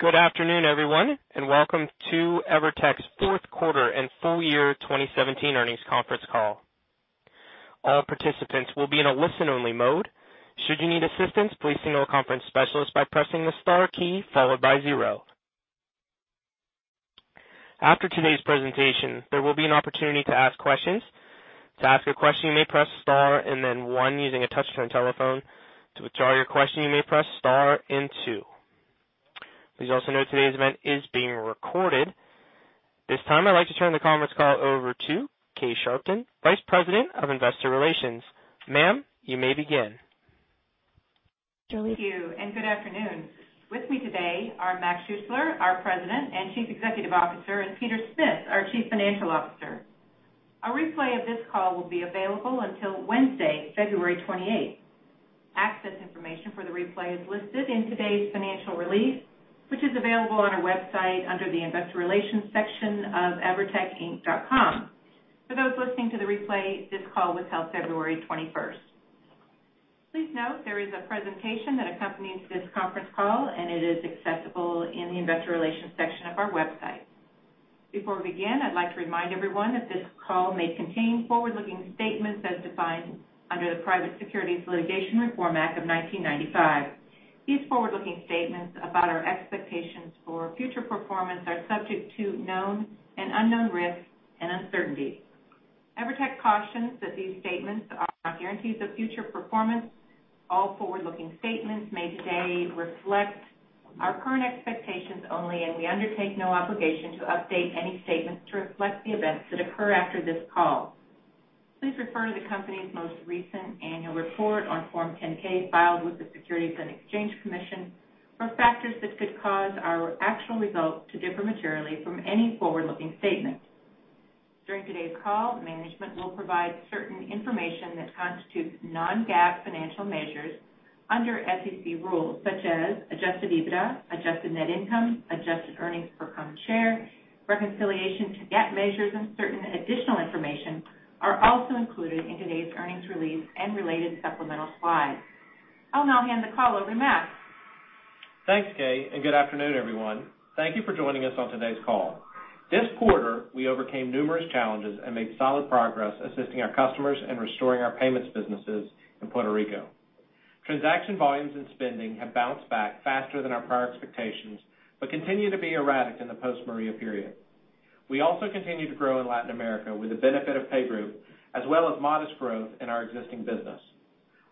Good afternoon, everyone, and welcome to EVERTEC's fourth quarter and full year 2017 earnings conference call. All participants will be in a listen-only mode. Should you need assistance, please signal a conference specialist by pressing the star key followed by zero. After today's presentation, there will be an opportunity to ask questions. To ask a question, you may press star and then one using a touch-tone telephone. To withdraw your question, you may press star and two. Please also note today's event is being recorded. This time, I'd like to turn the conference call over to Kay Sharpton, Vice President of Investor Relations. Ma'am, you may begin. Thank you. Good afternoon. With me today are Mac Schuessler, our President and Chief Executive Officer, and Peter Smith, our Chief Financial Officer. A replay of this call will be available until Wednesday, February 28th. Access information for the replay is listed in today's financial release, which is available on our website under the investor relations section of evertecinc.com. For those listening to the replay, this call was held February 21st. Please note there is a presentation that accompanies this conference call, and it is accessible in the investor relations section of our website. Before we begin, I'd like to remind everyone that this call may contain forward-looking statements as defined under the Private Securities Litigation Reform Act of 1995. These forward-looking statements about our expectations for future performance are subject to known and unknown risks and uncertainties. EVERTEC cautions that these statements are not guarantees of future performance. All forward-looking statements made today reflect our current expectations only. We undertake no obligation to update any statements to reflect the events that occur after this call. Please refer to the company's most recent annual report on Form 10-K filed with the Securities and Exchange Commission for factors that could cause our actual results to differ materially from any forward-looking statement. During today's call, management will provide certain information that constitutes non-GAAP financial measures under SEC rules, such as adjusted EBITDA, adjusted net income, adjusted earnings per common share, reconciliation to GAAP measures, and certain additional information are also included in today's earnings release and related supplemental slides. I'll now hand the call over to Mac. Thanks, Kay. Good afternoon, everyone. Thank you for joining us on today's call. This quarter, we overcame numerous challenges and made solid progress assisting our customers and restoring our payments businesses in Puerto Rico. Transaction volumes and spending have bounced back faster than our prior expectations, but continue to be erratic in the post-Maria period. We also continue to grow in Latin America with the benefit of PayGroup, as well as modest growth in our existing business.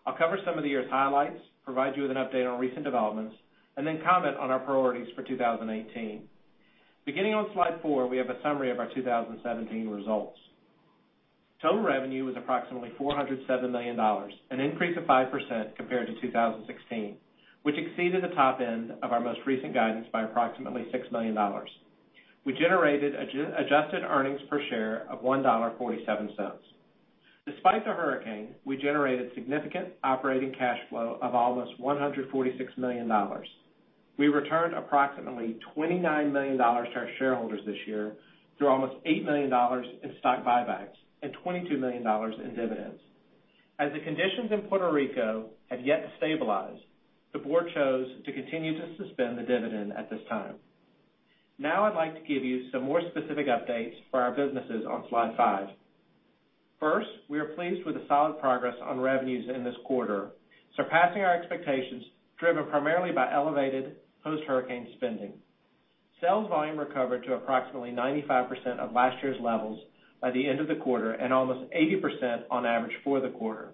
I'll cover some of the year's highlights, provide you with an update on recent developments, and then comment on our priorities for 2018. Beginning on slide four, we have a summary of our 2017 results. Total revenue was approximately $407 million, an increase of 5% compared to 2016, which exceeded the top end of our most recent guidance by approximately $6 million. We generated adjusted earnings per share of $1.47. Despite the hurricane, we generated significant operating cash flow of almost $146 million. We returned approximately $29 million to our shareholders this year through almost $8 million in stock buybacks and $22 million in dividends. As the conditions in Puerto Rico have yet to stabilize, the board chose to continue to suspend the dividend at this time. I'd like to give you some more specific updates for our businesses on slide five. First, we are pleased with the solid progress on revenues in this quarter, surpassing our expectations, driven primarily by elevated post-hurricane spending. Sales volume recovered to approximately 95% of last year's levels by the end of the quarter and almost 80% on average for the quarter.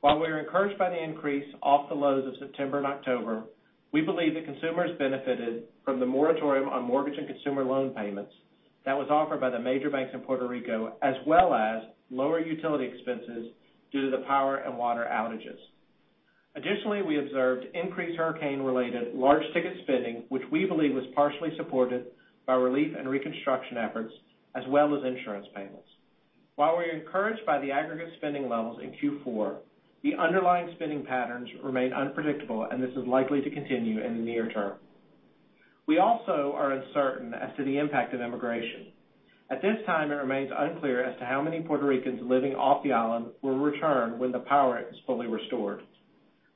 While we are encouraged by the increase off the lows of September and October, we believe that consumers benefited from the moratorium on mortgage and consumer loan payments that was offered by the major banks in Puerto Rico, as well as lower utility expenses due to the power and water outages. Additionally, we observed increased hurricane-related large ticket spending, which we believe was partially supported by relief and reconstruction efforts as well as insurance payments. While we're encouraged by the aggregate spending levels in Q4, the underlying spending patterns remain unpredictable, and this is likely to continue in the near term. We also are uncertain as to the impact of immigration. At this time, it remains unclear as to how many Puerto Ricans living off the island will return when the power is fully restored.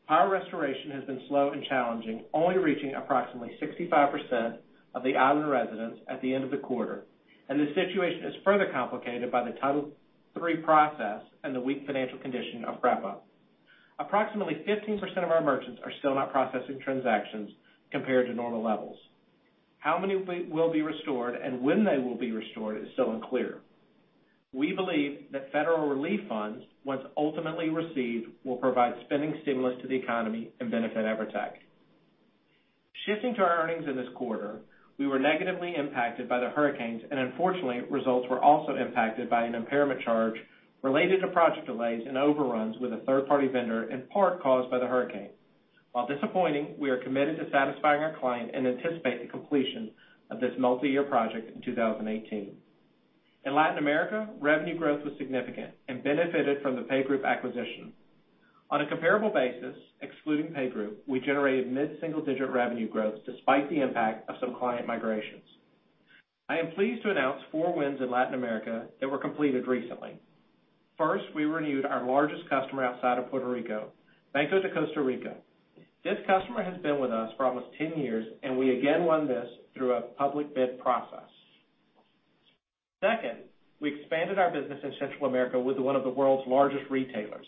Power restoration has been slow and challenging, only reaching approximately 65% of the island residents at the end of the quarter. The situation is further complicated by the Title III process and the weak financial condition of PREPA. Approximately 15% of our merchants are still not processing transactions compared to normal levels. How many will be restored and when they will be restored is still unclear. We believe that federal relief funds, once ultimately received, will provide spending stimulus to the economy and benefit EVERTEC. Shifting to our earnings in this quarter, we were negatively impacted by the hurricanes. Unfortunately, results were also impacted by an impairment charge related to project delays and overruns with a third-party vendor, in part caused by the hurricane. While disappointing, we are committed to satisfying our client and anticipate the completion of this multi-year project in 2018. In Latin America, revenue growth was significant and benefited from the PayGroup acquisition. On a comparable basis, excluding PayGroup, we generated mid-single-digit revenue growth despite the impact of some client migrations. I am pleased to announce four wins in Latin America that were completed recently. First, we renewed our largest customer outside of Puerto Rico, Banco de Costa Rica. This customer has been with us for almost 10 years. We again won this through a public bid process. Second, we expanded our business in Central America with one of the world's largest retailers.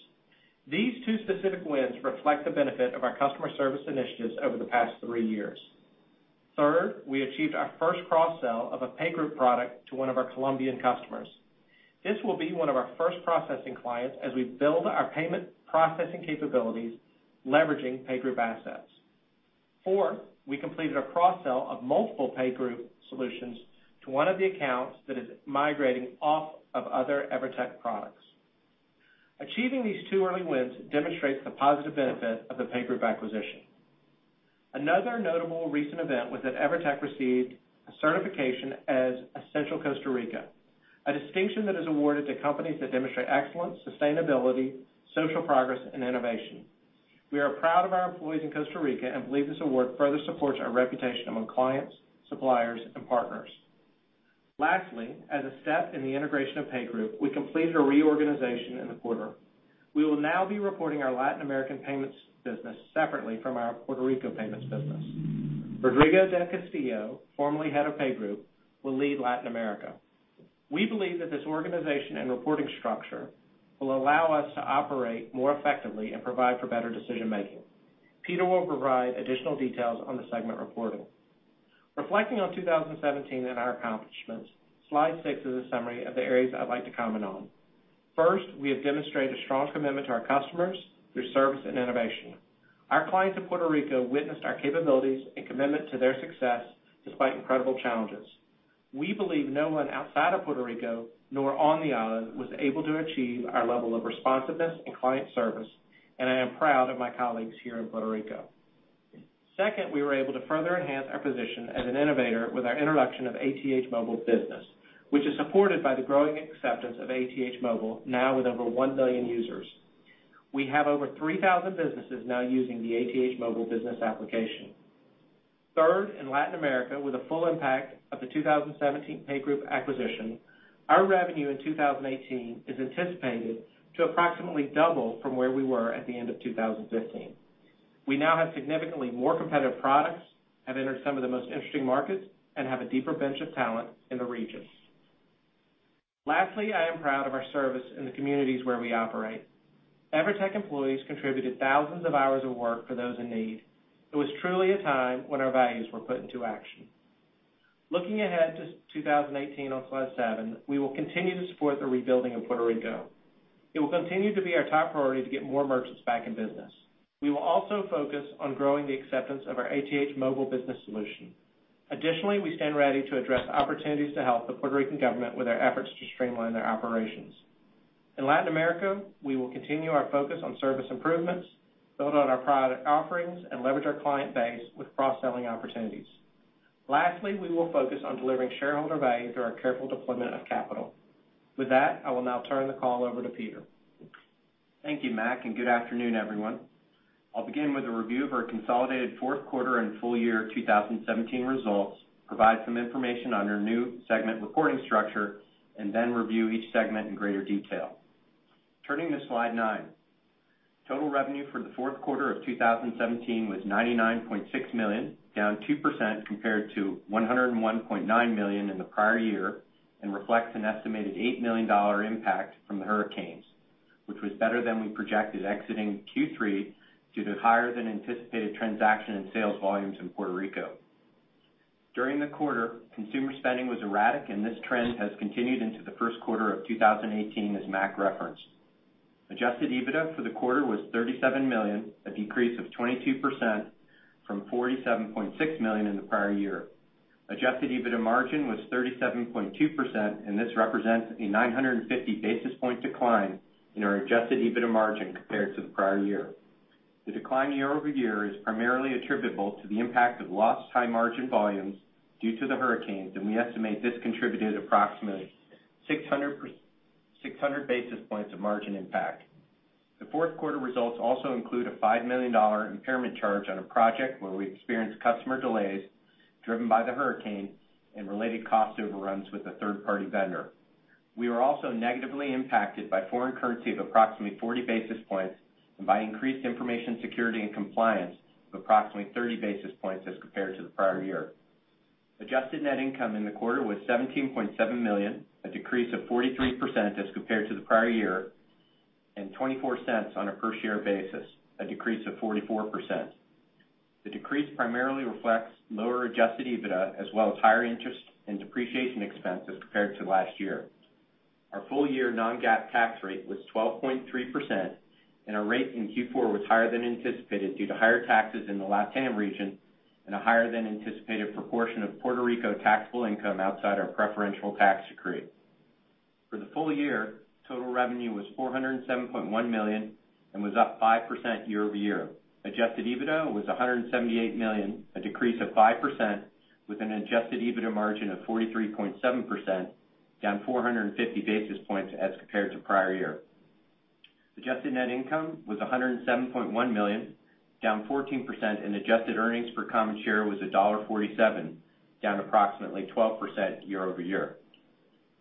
These two specific wins reflect the benefit of our customer service initiatives over the past three years. Third, we achieved our first cross-sell of a PayGroup product to one of our Colombian customers. This will be one of our first processing clients as we build our payment processing capabilities leveraging PayGroup assets. Four, we completed a cross-sell of multiple PayGroup solutions to one of the accounts that is migrating off of other EVERTEC products. Achieving these two early wins demonstrates the positive benefit of the PayGroup acquisition. Another notable recent event was that EVERTEC received a certification as Essential Costa Rica, a distinction that is awarded to companies that demonstrate excellence, sustainability, social progress and innovation. We are proud of our employees in Costa Rica and believe this award further supports our reputation among clients, suppliers, and partners. Lastly, as a step in the integration of PayGroup, we completed a reorganization in the quarter. We will now be reporting our Latin American payments business separately from our Puerto Rico payments business. Rodrigo del Castillo, formerly head of PayGroup, will lead Latin America. We believe that this organization and reporting structure will allow us to operate more effectively and provide for better decision-making. Peter will provide additional details on the segment reporting. Reflecting on 2017 and our accomplishments, slide six is a summary of the areas I'd like to comment on. First, we have demonstrated a strong commitment to our customers through service and innovation. Our clients in Puerto Rico witnessed our capabilities and commitment to their success despite incredible challenges. We believe no one outside of Puerto Rico, nor on the island, was able to achieve our level of responsiveness and client service, and I am proud of my colleagues here in Puerto Rico. Second, we were able to further enhance our position as an innovator with our introduction of ATH Móvil Business, which is supported by the growing acceptance of ATH Móvil, now with over one million users. We have over 3,000 businesses now using the ATH Móvil Business application. Third, in Latin America, with the full impact of the 2017 PayGroup acquisition, our revenue in 2018 is anticipated to approximately double from where we were at the end of 2015. We now have significantly more competitive products, have entered some of the most interesting markets, and have a deeper bench of talent in the regions. Lastly, I am proud of our service in the communities where we operate. EVERTEC employees contributed thousands of hours of work for those in need. It was truly a time when our values were put into action. Looking ahead to 2018 on slide seven, we will continue to support the rebuilding of Puerto Rico. It will continue to be our top priority to get more merchants back in business. We will also focus on growing the acceptance of our ATH Móvil Business solution. Additionally, we stand ready to address opportunities to help the Puerto Rican government with their efforts to streamline their operations. In Latin America, we will continue our focus on service improvements, build on our product offerings, and leverage our client base with cross-selling opportunities. Lastly, we will focus on delivering shareholder value through our careful deployment of capital. With that, I will now turn the call over to Peter. Thank you, Mac, and good afternoon, everyone. I'll begin with a review of our consolidated fourth quarter and full year 2017 results, provide some information on our new segment reporting structure, and then review each segment in greater detail. Turning to slide nine. Total revenue for the fourth quarter of 2017 was $99.6 million, down 2% compared to $101.9 million in the prior year, and reflects an estimated $8 million impact from the hurricanes, which was better than we projected exiting Q3 due to higher than anticipated transaction and sales volumes in Puerto Rico. During the quarter, consumer spending was erratic and this trend has continued into the first quarter of 2018, as Mac referenced. Adjusted EBITDA for the quarter was $37 million, a decrease of 22% from $47.6 million in the prior year. Adjusted EBITDA margin was 37.2%, and this represents a 950 basis point decline in our adjusted EBITDA margin compared to the prior year. The decline year-over-year is primarily attributable to the impact of lost high-margin volumes due to the hurricanes, and we estimate this contributed approximately 600 basis points of margin impact. The fourth quarter results also include a $5 million impairment charge on a project where we experienced customer delays driven by the hurricane and related cost overruns with a third-party vendor. We were also negatively impacted by foreign currency of approximately 40 basis points and by increased information security and compliance of approximately 30 basis points as compared to the prior year. Adjusted net income in the quarter was $17.7 million, a decrease of 43% as compared to the prior year, and $0.24 on a per-share basis, a decrease of 44%. The decrease primarily reflects lower adjusted EBITDA as well as higher interest and depreciation expense as compared to last year. Our full-year non-GAAP tax rate was 12.3%, and our rate in Q4 was higher than anticipated due to higher taxes in the LatAm region and a higher than anticipated proportion of Puerto Rico taxable income outside our preferential tax decree. For the full year, total revenue was $407.1 million and was up 5% year-over-year. Adjusted EBITDA was $178 million, a decrease of 5%, with an adjusted EBITDA margin of 43.7%, down 450 basis points as compared to prior year. Adjusted net income was $107.1 million, down 14%, and adjusted earnings per common share was $1.47, down approximately 12% year-over-year.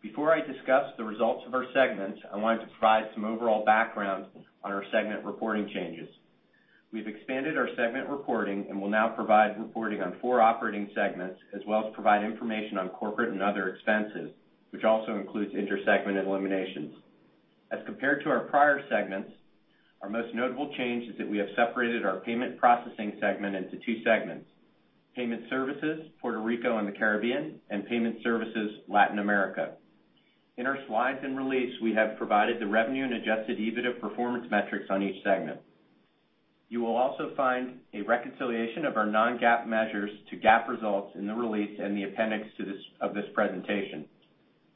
Before I discuss the results of our segments, I wanted to provide some overall background on our segment reporting changes. We've expanded our segment reporting and will now provide reporting on four operating segments, as well as provide information on corporate and other expenses, which also includes inter-segment eliminations. As compared to our prior segments, our most notable change is that we have separated our payment processing segment into two segments. Payment Services, Puerto Rico and the Caribbean, and Payment Services, Latin America. In our slides and release, we have provided the revenue and adjusted EBITDA performance metrics on each segment. You will also find a reconciliation of our non-GAAP measures to GAAP results in the release and the appendix of this presentation.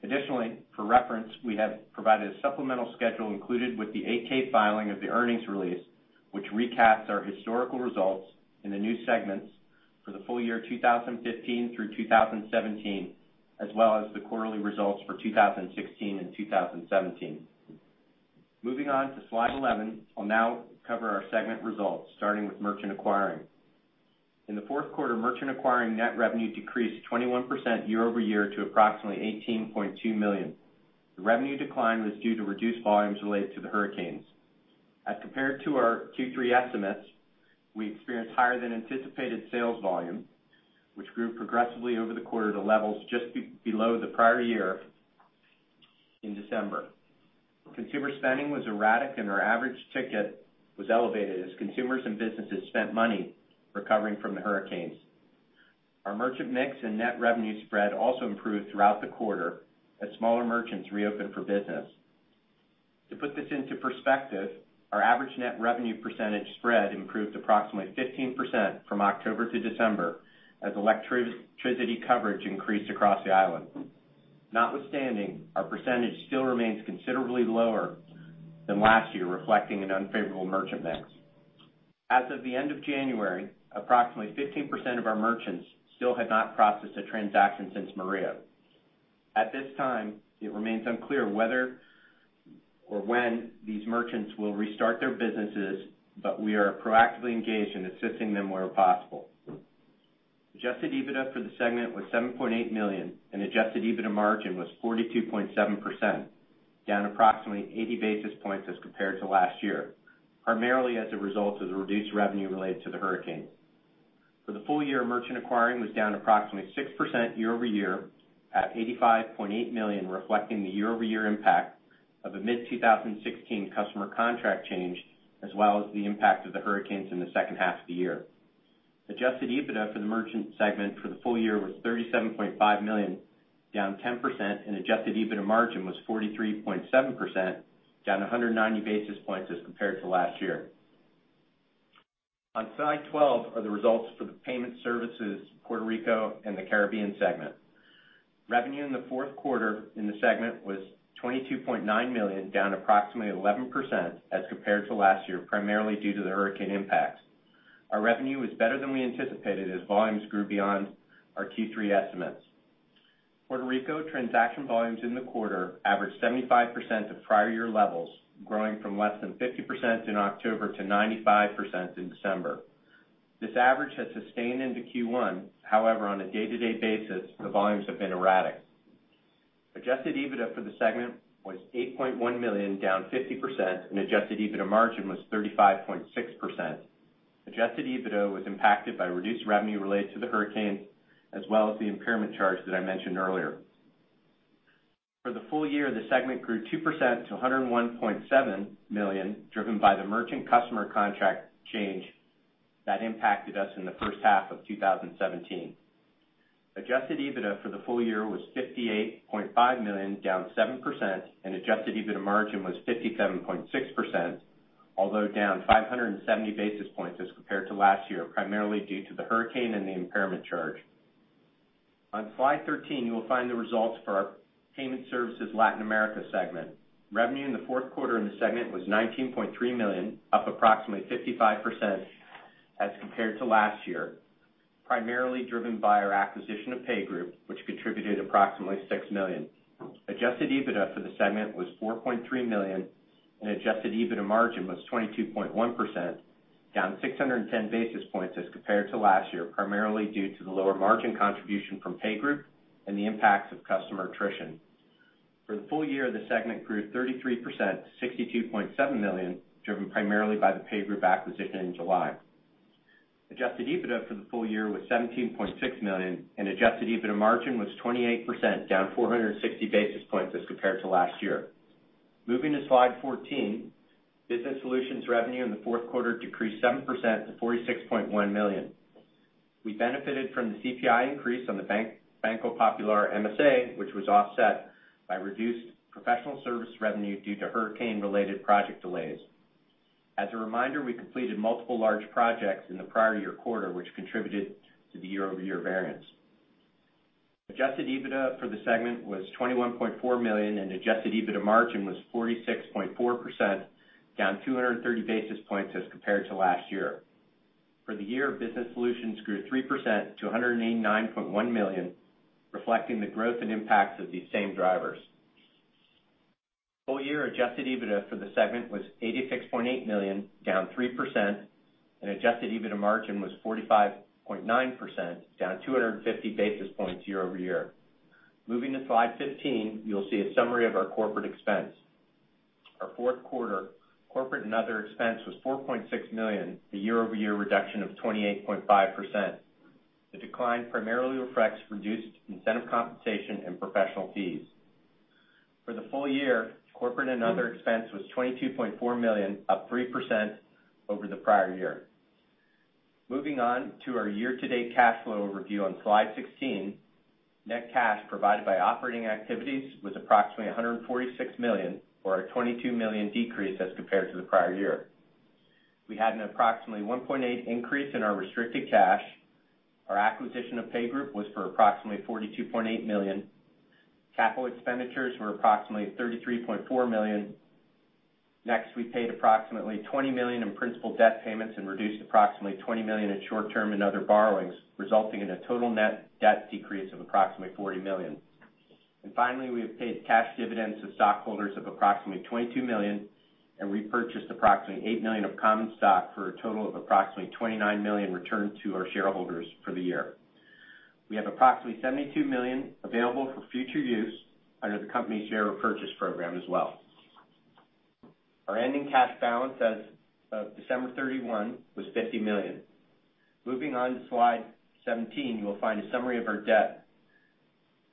Additionally, for reference, we have provided a supplemental schedule included with the 8-K filing of the earnings release, which recaps our historical results in the new segments for the full year 2015 through 2017, as well as the quarterly results for 2016 and 2017. Moving on to slide 11, I'll now cover our segment results, starting with merchant acquiring. In the fourth quarter, merchant acquiring net revenue decreased 21% year-over-year to approximately $18.2 million. The revenue decline was due to reduced volumes related to the hurricanes. As compared to our Q3 estimates, we experienced higher than anticipated sales volume, which grew progressively over the quarter to levels just below the prior year in December. Consumer spending was erratic and our average ticket was elevated as consumers and businesses spent money recovering from the hurricanes. Our merchant mix and net revenue spread also improved throughout the quarter as smaller merchants reopened for business. To put this into perspective, our average net revenue percentage spread improved approximately 15% from October to December as electricity coverage increased across the island. Notwithstanding, our percentage still remains considerably lower than last year, reflecting an unfavorable merchant mix. As of the end of January, approximately 15% of our merchants still had not processed a transaction since Maria. At this time, it remains unclear whether or when these merchants will restart their businesses, but we are proactively engaged in assisting them where possible. adjusted EBITDA for the segment was $7.8 million and adjusted EBITDA margin was 42.7%, down approximately 80 basis points as compared to last year, primarily as a result of the reduced revenue related to the hurricanes. For the full year, merchant acquiring was down approximately 6% year-over-year at $85.8 million, reflecting the year-over-year impact of a mid-2016 customer contract change, as well as the impact of the hurricanes in the second half of the year. adjusted EBITDA for the merchant segment for the full year was $37.5 million, down 10%, and adjusted EBITDA margin was 43.7%, down 190 basis points as compared to last year. On slide 12 are the results for the Payment Services, Puerto Rico and the Caribbean segment. Revenue in the fourth quarter in the segment was $22.9 million, down approximately 11% as compared to last year, primarily due to the hurricane impacts. Our revenue was better than we anticipated as volumes grew beyond our Q3 estimates. Puerto Rico transaction volumes in the quarter averaged 75% of prior year levels, growing from less than 50% in October to 95% in December. This average has sustained into Q1. However, on a day-to-day basis, the volumes have been erratic. adjusted EBITDA for the segment was $8.1 million, down 50%, and adjusted EBITDA margin was 35.6%. adjusted EBITDA was impacted by reduced revenue related to the hurricanes, as well as the impairment charge that I mentioned earlier. For the full year, the segment grew 2% to $101.7 million, driven by the merchant customer contract change that impacted us in the first half of 2017. adjusted EBITDA for the full year was $58.5 million, down 7%, and adjusted EBITDA margin was 57.6%, although down 570 basis points as compared to last year, primarily due to the hurricane and the impairment charge. On slide 13, you will find the results for our Payment Services Latin America segment. Revenue in the fourth quarter in the segment was $19.3 million, up approximately 55% as compared to last year, primarily driven by our acquisition of PayGroup, which contributed approximately $6 million. Adjusted EBITDA for the segment was $4.3 million and adjusted EBITDA margin was 22.1%, down 610 basis points as compared to last year, primarily due to the lower margin contribution from PayGroup and the impacts of customer attrition. For the full year, the segment grew 33% to $62.7 million, driven primarily by the PayGroup acquisition in July. Adjusted EBITDA for the full year was $17.6 million and adjusted EBITDA margin was 28%, down 460 basis points as compared to last year. Moving to slide 14, Business Solutions revenue in the fourth quarter decreased 7% to $46.1 million. We benefited from the CPI increase on the Banco Popular MSA, which was offset by reduced professional service revenue due to hurricane-related project delays. As a reminder, we completed multiple large projects in the prior year quarter, which contributed to the year-over-year variance. Adjusted EBITDA for the segment was $21.4 million and adjusted EBITDA margin was 46.4%, down 230 basis points as compared to last year. For the year, Business Solutions grew 3% to $189.1 million, reflecting the growth and impacts of these same drivers. Full year adjusted EBITDA for the segment was $86.8 million, down 3%, and adjusted EBITDA margin was 45.9%, down 250 basis points year-over-year. Moving to slide 15, you will see a summary of our corporate expense. Our fourth quarter corporate and other expense was $4.6 million, a year-over-year reduction of 28.5%. The decline primarily reflects reduced incentive compensation and professional fees. For the full year, corporate and other expense was $22.4 million, up 3% over the prior year. Moving on to our year-to-date cash flow review on Slide 16. Net cash provided by operating activities was approximately $146 million, or a $22 million decrease as compared to the prior year. We had an approximately $1.8 increase in our restricted cash. Our acquisition of PayGroup was for approximately $42.8 million. Capital expenditures were approximately $33.4 million. Next, we paid approximately $20 million in principal debt payments and reduced approximately $20 million in short-term and other borrowings, resulting in a total net debt decrease of approximately $40 million. Finally, we have paid cash dividends to stockholders of approximately $22 million and repurchased approximately $8 million of common stock, for a total of approximately $29 million returned to our shareholders for the year. We have approximately $72 million available for future use under the company's share repurchase program as well. Our ending cash balance as of December 31 was $50 million. Moving on to slide 17, you will find a summary of our debt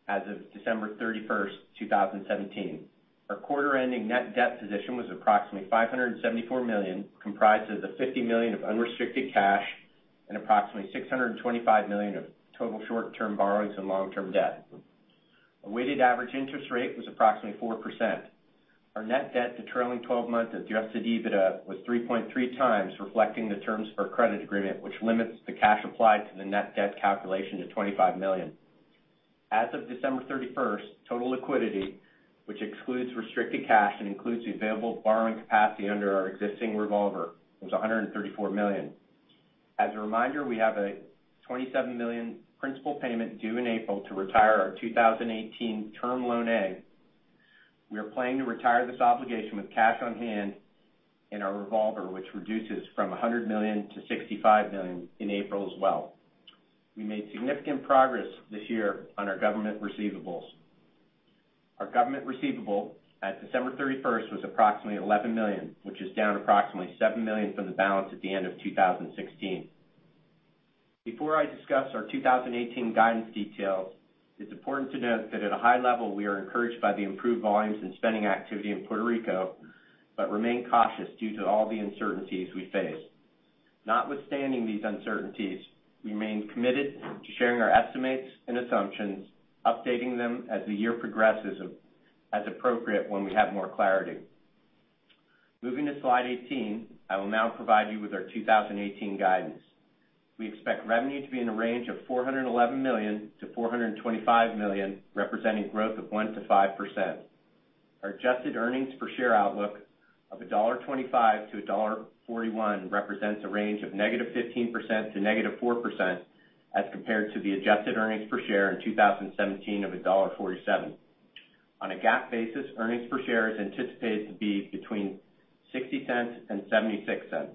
as of December 31st, 2017. Our quarter-ending net debt position was approximately $574 million, comprised of the $50 million of unrestricted cash and approximately $625 million of total short-term borrowings and long-term debt. A weighted average interest rate was approximately 4%. Our net debt to trailing 12-months adjusted EBITDA was 3.3 times, reflecting the terms of our credit agreement, which limits the cash applied to the net debt calculation to $25 million. As of December 31st, total liquidity, which excludes restricted cash and includes the available borrowing capacity under our existing revolver, was $134 million. As a reminder, we have a $27 million principal payment due in April to retire our 2018 term loan A. We are planning to retire this obligation with cash on hand in our revolver, which reduces from $100 million to $65 million in April as well. We made significant progress this year on our government receivables. Our government receivable as of December 31st was approximately $11 million, which is down approximately $7 million from the balance at the end of 2016. Before I discuss our 2018 guidance details, it's important to note that at a high level, we are encouraged by the improved volumes and spending activity in Puerto Rico, but remain cautious due to all the uncertainties we face. Notwithstanding these uncertainties, we remain committed to sharing our estimates and assumptions, updating them as the year progresses as appropriate when we have more clarity. Moving to slide 18, I will now provide you with our 2018 guidance. We expect revenue to be in a range of $411 million to $425 million, representing growth of 1%-5%. Our adjusted earnings per share outlook of $1.25 to $1.41 represents a range of negative 15% to negative 4%, as compared to the adjusted earnings per share in 2017 of $1.47. On a GAAP basis, earnings per share is anticipated to be between $0.60 and $0.76.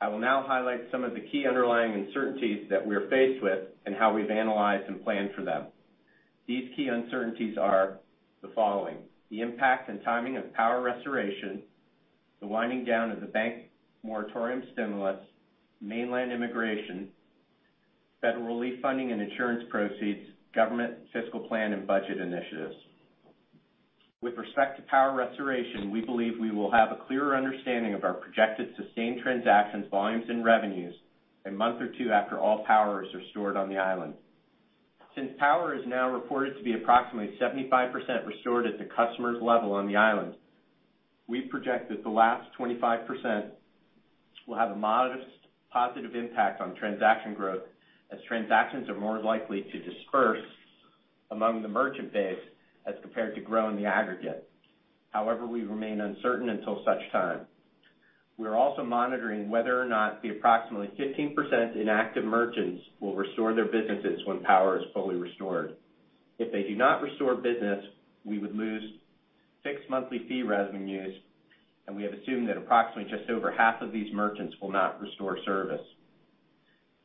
I will now highlight some of the key underlying uncertainties that we are faced with and how we've analyzed and planned for them. These key uncertainties are the following: the impact and timing of power restoration, the winding down of the bank moratorium stimulus, mainland immigration, federal relief funding and insurance proceeds, government fiscal plan and budget initiatives. With respect to power restoration, we believe we will have a clearer understanding of our projected sustained transactions, volumes, and revenues a month or two after all powers are restored on the island. Since power is now reported to be approximately 75% restored at the customer's level on the island, we project that the last 25% will have a modest positive impact on transaction growth as transactions are more likely to disperse among the merchant base as compared to grow in the aggregate. However, we remain uncertain until such time. We are also monitoring whether or not the approximately 15% inactive merchants will restore their businesses when power is fully restored. If they do not restore business, we would lose fixed monthly fee revenues, and we have assumed that approximately just over half of these merchants will not restore service.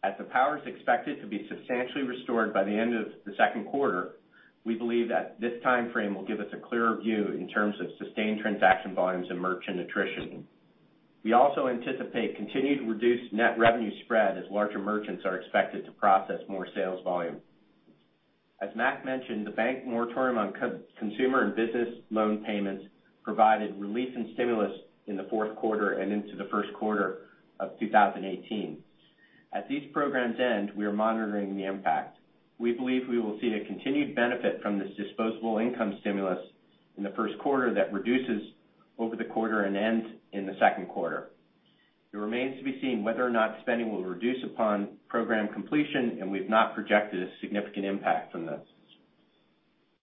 As the power is expected to be substantially restored by the end of the second quarter, we believe that this timeframe will give us a clearer view in terms of sustained transaction volumes and merchant attrition. We also anticipate continued reduced net revenue spread as larger merchants are expected to process more sales volume. As Mac mentioned, the bank moratorium on consumer and business loan payments provided relief and stimulus in the fourth quarter and into the first quarter of 2018. As these programs end, we are monitoring the impact. We believe we will see a continued benefit from this disposable income stimulus in the first quarter that reduces over the quarter and ends in the second quarter. It remains to be seen whether or not spending will reduce upon program completion. We've not projected a significant impact from this.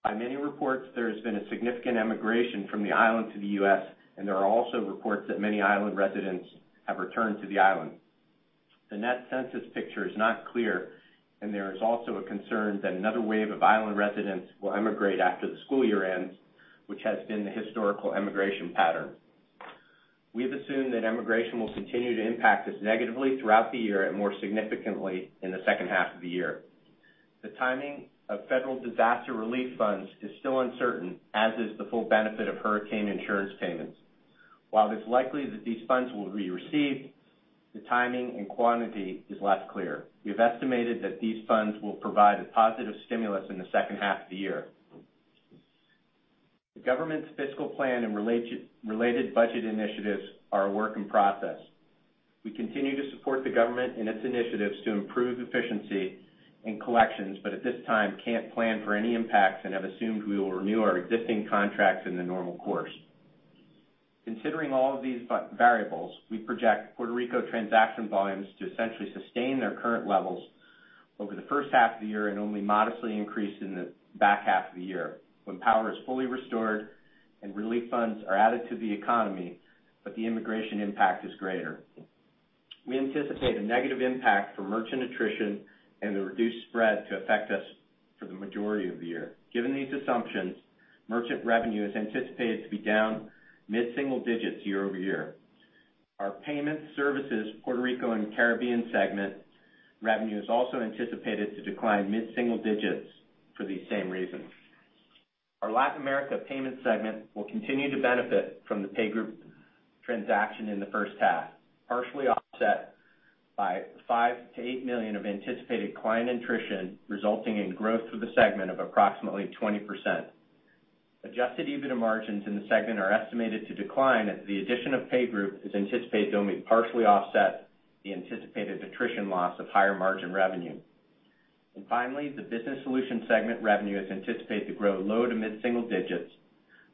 By many reports, there has been a significant emigration from the island to the U.S., and there are also reports that many island residents have returned to the island. The net census picture is not clear, and there is also a concern that another wave of island residents will emigrate after the school year ends, which has been the historical emigration pattern. We have assumed that emigration will continue to impact us negatively throughout the year and more significantly in the second half of the year. The timing of federal disaster relief funds is still uncertain, as is the full benefit of hurricane insurance payments. While it's likely that these funds will be received, the timing and quantity is less clear. We have estimated that these funds will provide a positive stimulus in the second half of the year. The government's fiscal plan and related budget initiatives are a work in process. We continue to support the government in its initiatives to improve efficiency in collections, but at this time, can't plan for any impacts and have assumed we will renew our existing contracts in the normal course. Considering all of these variables, we project Puerto Rico transaction volumes to essentially sustain their current levels over the first half of the year and only modestly increase in the back half of the year, when power is fully restored and relief funds are added to the economy, but the immigration impact is greater. We anticipate a negative impact for merchant attrition and the reduced spread to affect us for the majority of the year. Given these assumptions, merchant revenue is anticipated to be down mid-single digits year-over-year. Our payment services Puerto Rico and Caribbean segment revenue is also anticipated to decline mid-single digits for these same reasons. Our Latin America payment segment will continue to benefit from the PayGroup transaction in the first half, partially offset by $5 million-$8 million of anticipated client attrition, resulting in growth for the segment of approximately 20%. adjusted EBITDA margins in the segment are estimated to decline as the addition of PayGroup is anticipated to only partially offset the anticipated attrition loss of higher margin revenue. Finally, the Business Solutions segment revenue is anticipated to grow low to mid-single digits,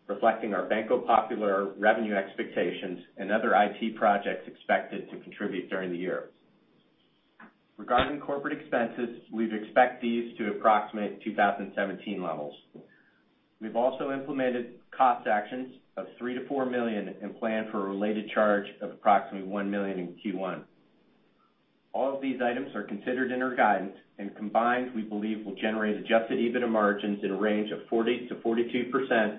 reflecting our Banco Popular revenue expectations and other IT projects expected to contribute during the year. Regarding corporate expenses, we expect these to approximate 2017 levels. We've also implemented cost actions of $3 million-$4 million and plan for a related charge of approximately $1 million in Q1. All of these items are considered in our guidance and combined, we believe will generate adjusted EBITDA margins in a range of 40%-42%,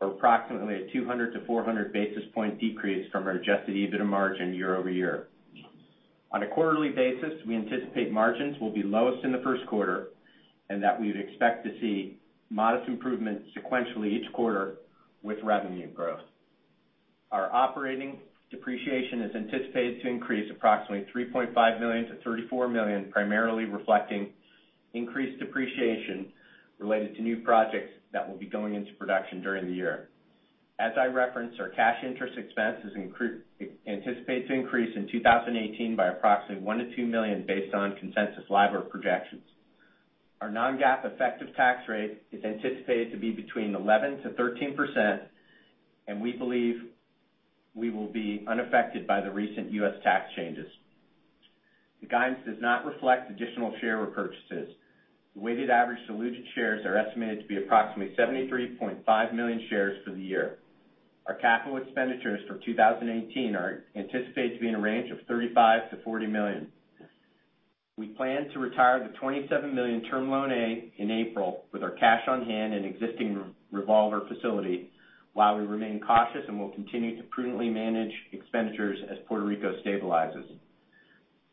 or approximately a 200 to 400 basis point decrease from our adjusted EBITDA margin year-over-year. On a quarterly basis, we anticipate margins will be lowest in the first quarter and that we would expect to see modest improvement sequentially each quarter with revenue growth. Our operating depreciation is anticipated to increase approximately $3.5 million to $34 million, primarily reflecting increased depreciation related to new projects that will be going into production during the year. As I referenced, our cash interest expense is anticipated to increase in 2018 by approximately $1 million-$2 million based on consensus LIBOR projections. Our non-GAAP effective tax rate is anticipated to be between 11%-13%, and we believe we will be unaffected by the recent U.S. tax changes. The guidance does not reflect additional share repurchases. The weighted average dilutive shares are estimated to be approximately 73.5 million shares for the year. Our capital expenditures for 2018 are anticipated to be in a range of $35 million-$40 million. We plan to retire the $27 million term loan A in April with our cash on hand and existing revolver facility while we remain cautious and will continue to prudently manage expenditures as Puerto Rico stabilizes.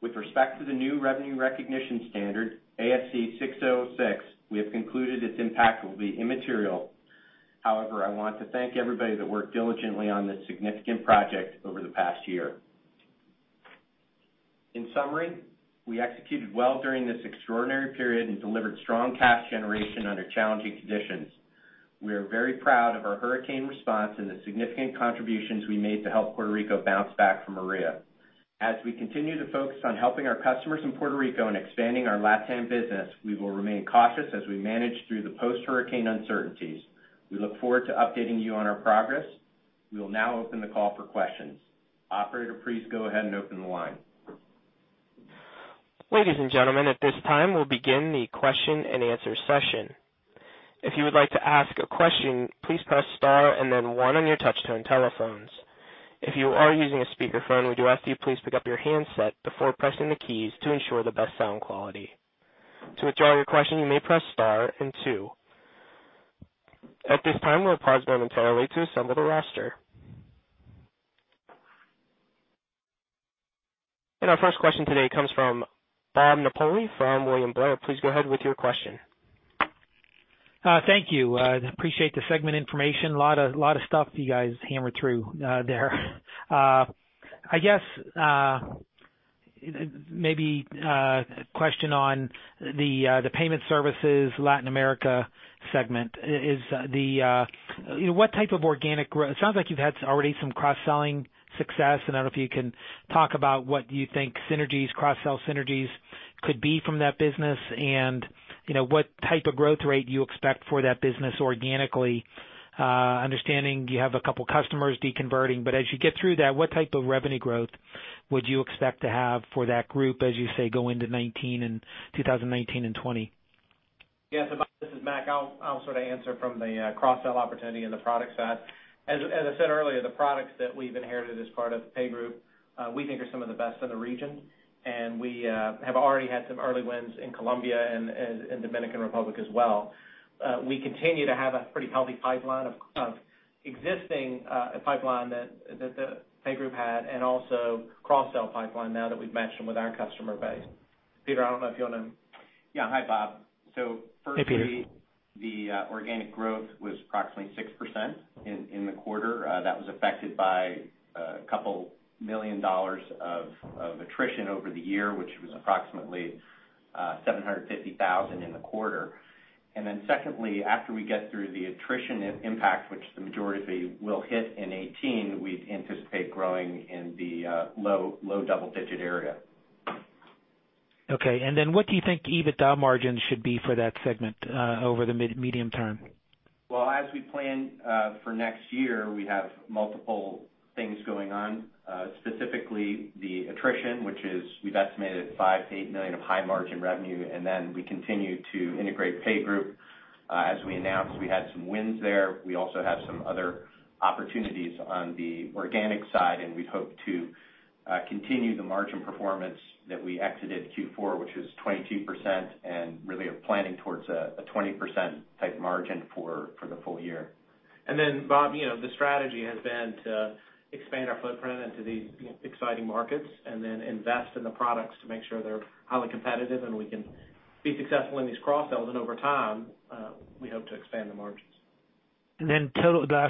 With respect to the new revenue recognition standard, ASC 606, we have concluded its impact will be immaterial. I want to thank everybody that worked diligently on this significant project over the past year. We executed well during this extraordinary period and delivered strong cash generation under challenging conditions. We are very proud of our hurricane response and the significant contributions we made to help Puerto Rico bounce back from Maria. As we continue to focus on helping our customers in Puerto Rico and expanding our LatAm business, we will remain cautious as we manage through the post-hurricane uncertainties. We look forward to updating you on our progress. We will now open the call for questions. Operator, please go ahead and open the line. Ladies and gentlemen, at this time, we'll begin the question and answer session. If you would like to ask a question, please press star and then one on your touch-tone telephones. If you are using a speakerphone, we do ask you to please pick up your handset before pressing the keys to ensure the best sound quality. To withdraw your question, you may press star and two. At this time, we'll pause momentarily to assemble the roster. Our first question today comes from Bob Napoli from William Blair. Please go ahead with your question. Thank you. Appreciate the segment information. Lot of stuff you guys hammered through there. I guess maybe a question on the Payment Services Latin America segment. It sounds like you've had already some cross-selling success. I don't know if you can talk about what you think cross-sell synergies could be from that business and what type of growth rate you expect for that business organically. Understanding you have a couple customers deconverting, but as you get through that, what type of revenue growth would you expect to have for that group, as you say, go into 2019 and 2020? Yes. This is Mac. I'll sort of answer from the cross-sell opportunity and the product side. As I said earlier, the products that we've inherited as part of PayGroup, we think are some of the best in the region, and we have already had some early wins in Colombia and Dominican Republic as well. We continue to have a pretty healthy existing pipeline that the PayGroup had and also cross-sell pipeline now that we've matched them with our customer base. Peter, I don't know if you want to Yeah. Hi, Bob. Hey, Peter. The organic growth was approximately 6% in the quarter. That was affected by a couple million dollars of attrition over the year, which was approximately $750,000 in the quarter. Secondly, after we get through the attrition impact, which the majority will hit in 2018, we anticipate growing in the low double-digit area. What do you think EBITDA margins should be for that segment over the medium term? Well, as we plan for next year, we have multiple things going on. Specifically, the attrition, which we've estimated at $5 million-$8 million of high margin revenue, we continue to integrate PayGroup. As we announced, we had some wins there. We also have some other opportunities on the organic side, we hope to continue the margin performance that we exited Q4, which is 22% and really are planning towards a 20% type margin for the full year. Bob, the strategy has been to expand our footprint into these exciting markets invest in the products to make sure they're highly competitive and we can be successful in these cross-sells. Over time, we hope to expand the margins.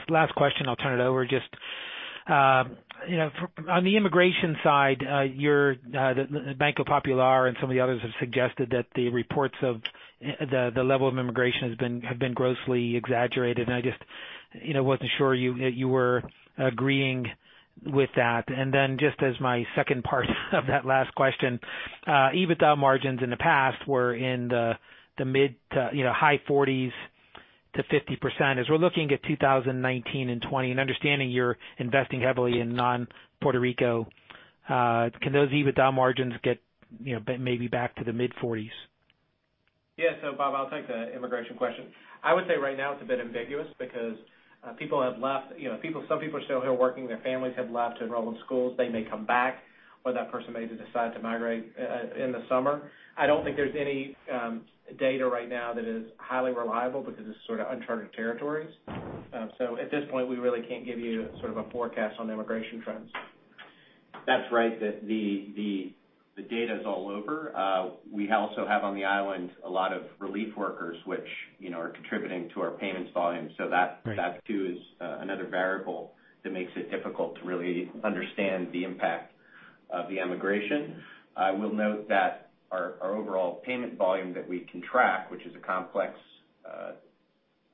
Last question, I'll turn it over. Just on the immigration side, Banco Popular and some of the others have suggested that the reports of the level of immigration have been grossly exaggerated, I just wasn't sure you were agreeing with that. Just as my second part of that last question, EBITDA margins in the past were in the mid to high 40s% to 50%. As we're looking at 2019 and 2020 and understanding you're investing heavily in non-Puerto Rico, can those EBITDA margins get maybe back to the mid-40s%? Bob, I'll take the immigration question. I would say right now it's a bit ambiguous because people have left. Some people are still here working. Their families have left to enroll in schools. They may come back, or that person may decide to migrate in the summer. I don't think there's any data right now that is highly reliable because it's sort of uncharted territories. At this point, we really can't give you sort of a forecast on the immigration trends. That's right. The data's all over. We also have on the island a lot of relief workers which are contributing to our payments volume. Right Too, is another variable that makes it difficult to really understand the impact of the emigration. I will note that our overall payment volume that we can track, which is a complex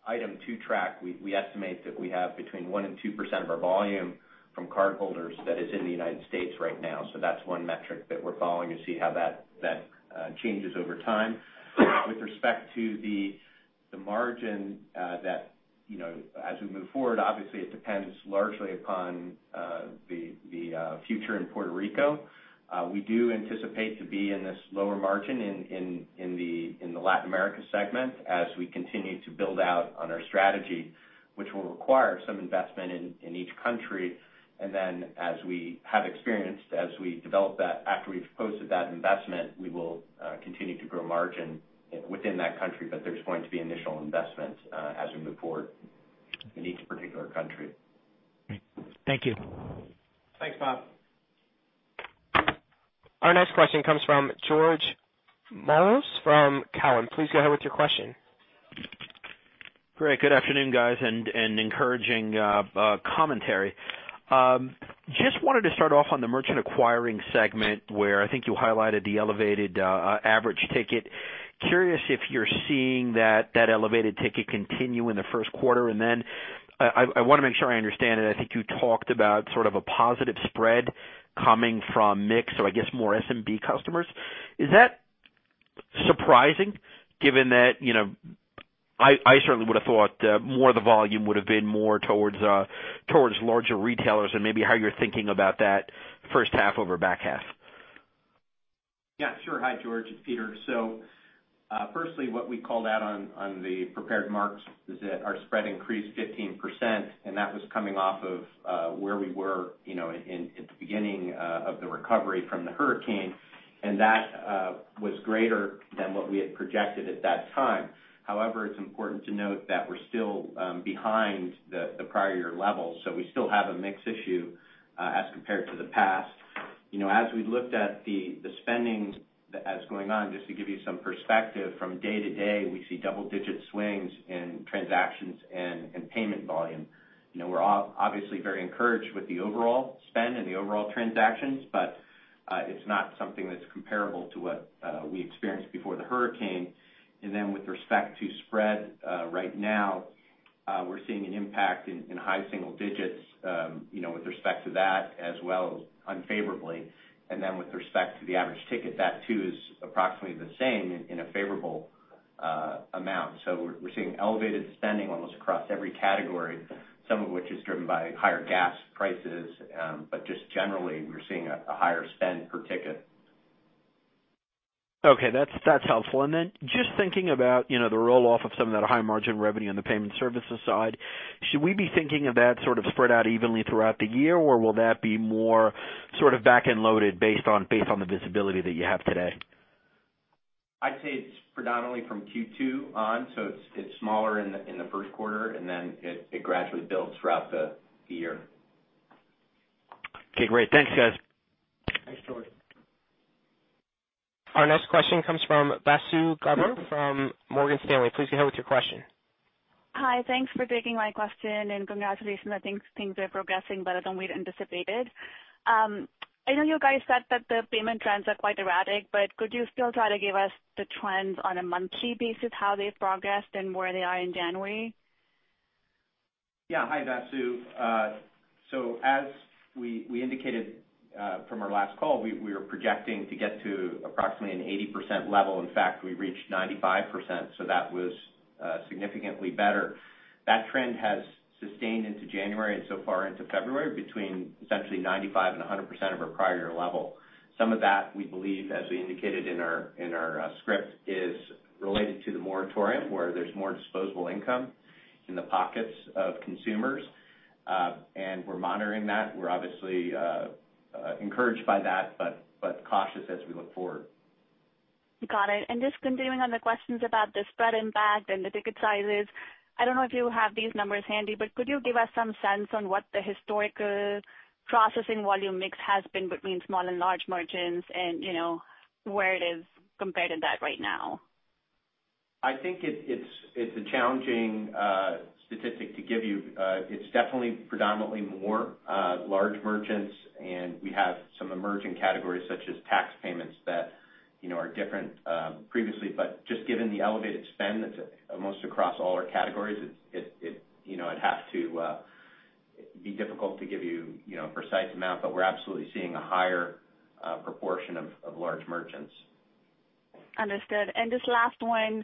item to track. We estimate that we have between one and 2% of our volume from cardholders that is in the U.S. right now. That's one metric that we're following to see how that changes over time. With respect to the margin that as we move forward, obviously it depends largely upon the future in Puerto Rico. We do anticipate to be in this lower margin in the Latin America segment as we continue to build out on our strategy, which will require some investment in each country. As we have experienced, as we develop that, after we've posted that investment, we will continue to grow margin within that country, but there's going to be initial investment as we move forward in each particular country. Thank you. Thanks, Bob. Our next question comes from George Mihalos from Cowen. Please go ahead with your question. Great. Good afternoon, guys. Encouraging commentary. Just wanted to start off on the merchant acquiring segment where I think you highlighted the elevated average ticket. Curious if you're seeing that elevated ticket continue in the first quarter. I want to make sure I understand it. I think you talked about sort of a positive spread coming from mix, so I guess more SMB customers. Is that surprising given that I certainly would have thought more of the volume would've been more towards larger retailers and maybe how you're thinking about that first half over back half. Hi, George. It's Peter. Firstly, what we called out on the prepared marks is that our spread increased 15%, and that was coming off of where we were at the beginning of the recovery from the hurricane, and that was greater than what we had projected at that time. However, it's important to note that we're still behind the prior year levels, so we still have a mix issue as compared to the past. As we looked at the spending that is going on, just to give you some perspective from day to day, we see double-digit swings in transactions and payment volume. We're obviously very encouraged with the overall spend and the overall transactions, but it's not something that's comparable to what we experienced before the hurricane. With respect to spread, right now we're seeing an impact in high single digits with respect to that as well as unfavorably. With respect to the average ticket, that too is approximately the same in a favorable amount. We're seeing elevated spending almost across every category, some of which is driven by higher gas prices. Just generally, we're seeing a higher spend per ticket. Okay. That's helpful. Just thinking about the roll-off of some of that high margin revenue on the payment services side, should we be thinking of that sort of spread out evenly throughout the year, or will that be more sort of back-end loaded based on the visibility that you have today? I'd say it's predominantly from Q2 on. It's smaller in the first quarter, and then it gradually builds throughout the year. Okay, great. Thanks, guys. Thanks, George. Our next question comes from Vasundhara Govil from Morgan Stanley. Please go ahead with your question. Hi. Thanks for taking my question and congratulations. I think things are progressing better than we'd anticipated. I know you guys said that the payment trends are quite erratic, but could you still try to give us the trends on a monthly basis, how they've progressed and where they are in January? Hi, Vasu. As we indicated from our last call, we were projecting to get to approximately an 80% level. In fact, we reached 95%, so that was significantly better. That trend has sustained into January and so far into February between essentially 95% and 100% of our prior year level. Some of that, we believe, as we indicated in our script, is related to the moratorium where there's more disposable income in the pockets of consumers. We're monitoring that. We're obviously encouraged by that, but cautious as we look forward. Got it. Just continuing on the questions about the spread impact and the ticket sizes. I don't know if you have these numbers handy, but could you give us some sense on what the historical processing volume mix has been between small and large merchants and where it is compared to that right now? I think it's a challenging statistic to give you. It's definitely predominantly more large merchants. We have some emerging categories such as tax payments that are different previously. Just given the elevated spend that's almost across all our categories, it'd have to be difficult to give you a precise amount. We're absolutely seeing a higher proportion of large merchants. Understood. Just last one.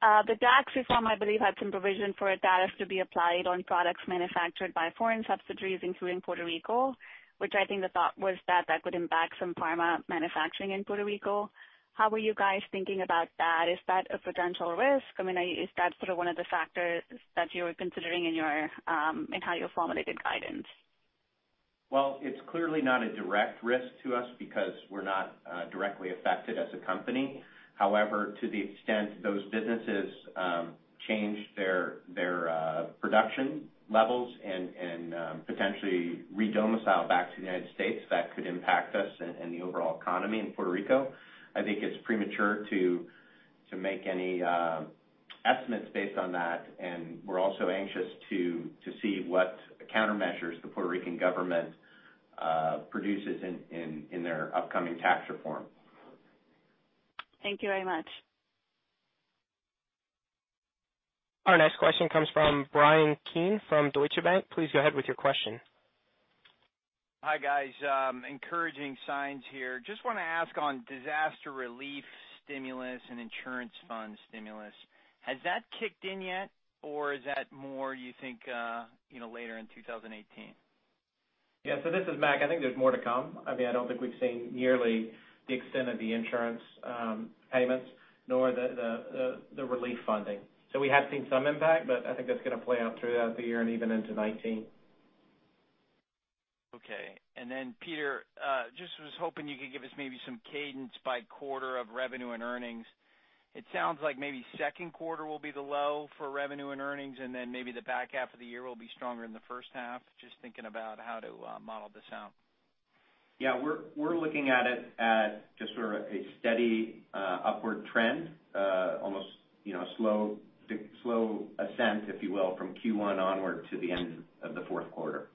The tax reform, I believe, had some provision for a tariff to be applied on products manufactured by foreign subsidiaries, including Puerto Rico, which I think the thought was that would impact some pharma manufacturing in Puerto Rico. How were you guys thinking about that? Is that a potential risk? Is that sort of one of the factors that you're considering in how you formulated guidance? Well, it's clearly not a direct risk to us because we're not directly affected as a company. However, to the extent those businesses change their production levels and potentially re-domicile back to the United States, that could impact us and the overall economy in Puerto Rico. I think it's premature to make any estimates based on that, and we're also anxious to see what countermeasures the Puerto Rican government produces in their upcoming tax reform. Thank you very much. Our next question comes from Bryan Keane from Deutsche Bank. Please go ahead with your question. Hi, guys. Encouraging signs here. Just want to ask on disaster relief stimulus and insurance fund stimulus, has that kicked in yet or is that more you think later in 2018? Yeah. This is Mac. I think there's more to come. I don't think we've seen nearly the extent of the insurance payments nor the relief funding. We have seen some impact, but I think that's going to play out throughout the year and even into 2019. Okay. Peter, just was hoping you could give us maybe some cadence by quarter of revenue and earnings. It sounds like maybe second quarter will be the low for revenue and earnings, and then maybe the back half of the year will be stronger than the first half. Just thinking about how to model this out. Yeah. We're looking at it as just sort of a steady upward trend. Almost slow ascent, if you will, from Q1 onward to the end of the fourth quarter.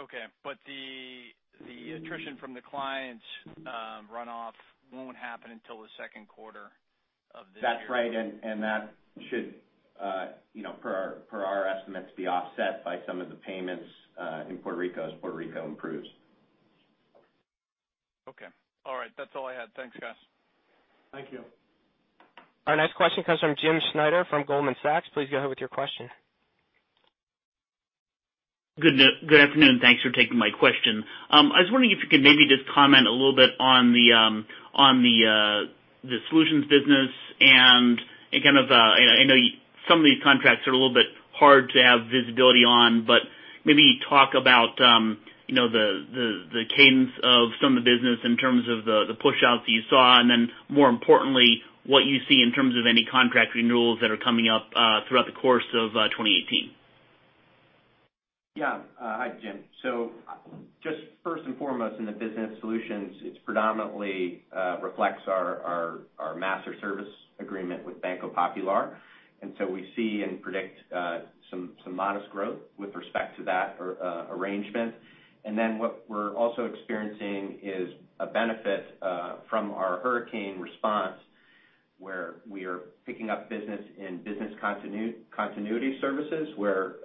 Okay. The attrition from the clients runoff won't happen until the second quarter of this year. That's right. That should for our estimates be offset by some of the payments in Puerto Rico as Puerto Rico improves. Okay. All right. That's all I had. Thanks, guys. Thank you. Our next question comes from Jim Snyder from Goldman Sachs. Please go ahead with your question. Good afternoon. Thanks for taking my question. I was wondering if you could maybe just comment a little bit on the solutions business. I know some of these contracts are a little bit hard to have visibility on, but maybe talk about the cadence of some of the business in terms of the pushouts that you saw, more importantly, what you see in terms of any contract renewals that are coming up throughout the course of 2018. Yeah. Hi, Jim. Just first and foremost in the business solutions, it predominantly reflects our master service agreement with Banco Popular. We see and predict some modest growth with respect to that arrangement. What we're also experiencing is a benefit from our hurricane response, where we are picking up business in business continuity services where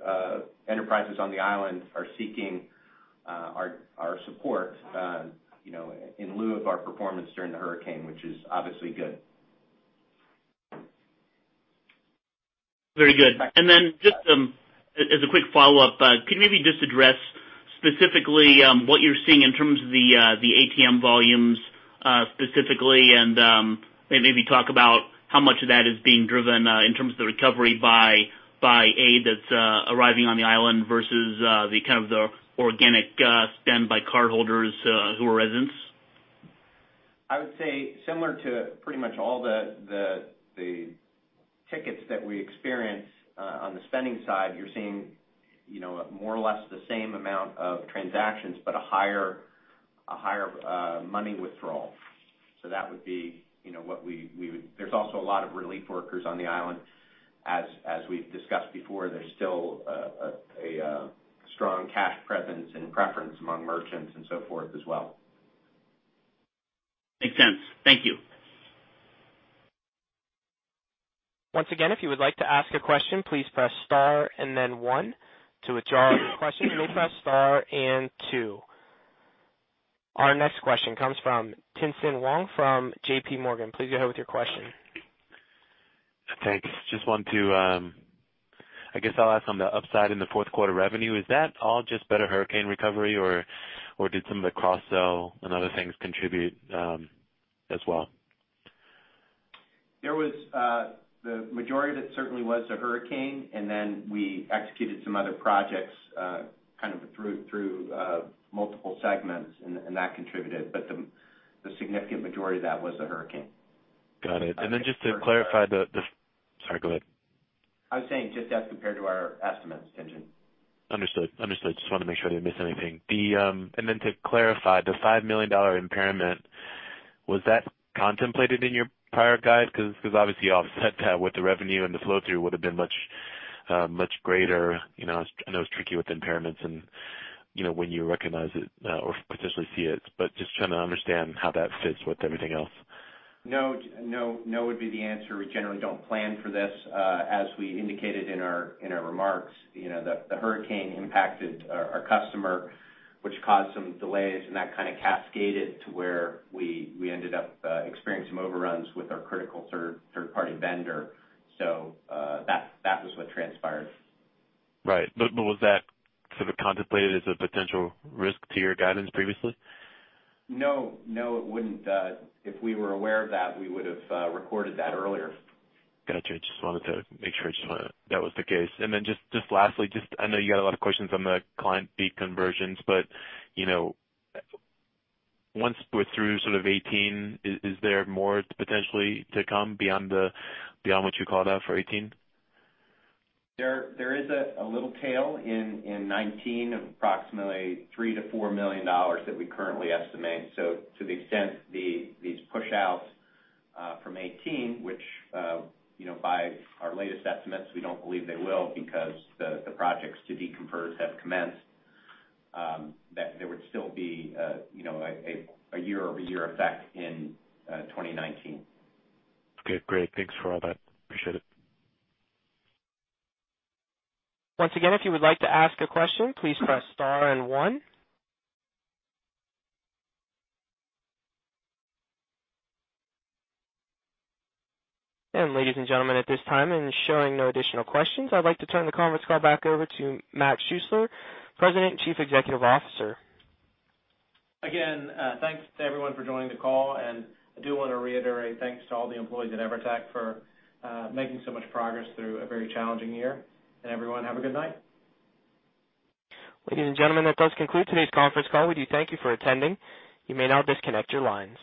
enterprises on the island are seeking our support in lieu of our performance during the hurricane, which is obviously good. Very good. Just as a quick follow-up, can you maybe just address specifically what you're seeing in terms of the ATM volumes specifically and maybe talk about how much of that is being driven in terms of the recovery by aid that's arriving on the island versus the kind of the organic spend by cardholders who are residents? I would say similar to pretty much all the tickets that we experience on the spending side. You're seeing more or less the same amount of transactions, a higher money withdrawal. There's also a lot of relief workers on the island. As we've discussed before, there's still a strong cash presence and preference among merchants and so forth as well. Makes sense. Thank you. Once again, if you would like to ask a question, please press star and then one. To withdraw your question, please press star and two. Our next question comes from Tien-Tsin Huang from JP Morgan. Please go ahead with your question. Thanks. I guess I'll ask on the upside in the fourth quarter revenue, is that all just better hurricane recovery or did some of the cross-sell and other things contribute as well? The majority of it certainly was the hurricane, and then we executed some other projects kind of through multiple segments and that contributed. The significant majority of that was the hurricane. Got it. Sorry, go ahead. I was saying just as compared to our estimates, Tien-Tsin. Understood. Just wanted to make sure I didn't miss anything. To clarify the $5 million impairment, was that contemplated in your prior guide? Because obviously you offset that with the revenue and the flow-through would've been much greater. I know it's tricky with impairments and when you recognize it or potentially see it, but just trying to understand how that fits with everything else. No would be the answer. We generally don't plan for this. As we indicated in our remarks, the hurricane impacted our customer, which caused some delays and that kind of cascaded to where we ended up experiencing some overruns with our critical third-party vendor. That was what transpired. Right. Was that sort of contemplated as a potential risk to your guidance previously? No, it wouldn't. If we were aware of that, we would've recorded that earlier. Gotcha. Just wanted to make sure that was the case. Then just lastly, I know you got a lot of questions on the client fee conversions, but once we're through sort of 2018, is there more potentially to come beyond what you called out for 2018? There is a little tail in 2019 of approximately $3 million-$4 million that we currently estimate. To the extent these pushouts from 2018, which by our latest estimates, we don't believe they will because the projects to de-convert have commenced, that there would still be a year-over-year effect in 2019. Okay, great. Thanks for all that. Appreciate it. Once again, if you would like to ask a question, please press star and one. Ladies and gentlemen, at this time and showing no additional questions, I'd like to turn the conference call back over to Mac Schuessler, President and Chief Executive Officer. Again, thanks to everyone for joining the call, and I do want to reiterate thanks to all the employees at EVERTEC for making so much progress through a very challenging year. Everyone, have a good night. Ladies and gentlemen, that does conclude today's conference call. We do thank you for attending. You may now disconnect your lines.